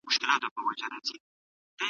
آیا شیدې تر مستو خوږې دي؟